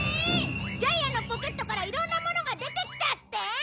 ジャイアンのポケットからいろんなものが出てきたって！？